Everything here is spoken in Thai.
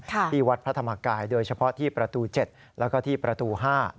ที่วัดพระธรรมกายโดยเฉพาะที่ประตู๗แล้วก็ที่ประตู๕